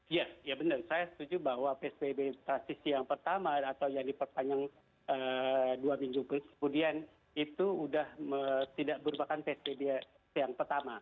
iya ya benar saya setuju bahwa psbb transisi yang pertama atau yang diperpanjang dua minggu kemudian itu sudah tidak merupakan psbb yang pertama